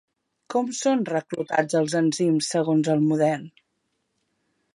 Com són reclutats els enzims segons el model?